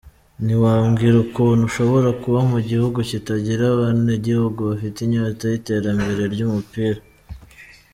Ntiwambwira ukuntu ushobora kuba mu gihugu kitagira abanegihugu bafite inyota y’iterambere ry’umupira.